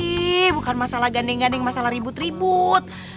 ih bukan masalah gandeng gandeng masalah ribut ribut